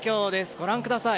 ご覧ください。